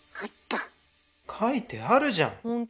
書いてあるじゃん！